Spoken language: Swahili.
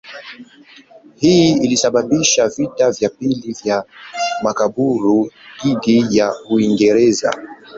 Hii ilisababisha vita vya pili vya Makaburu dhidi ya Uingereza.